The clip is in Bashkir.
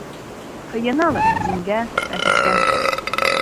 Һыйыналыр дингә, мәсеткә.